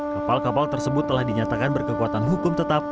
kapal kapal tersebut telah dinyatakan berkekuatan hukum tetap